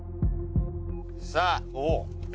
「さあ！」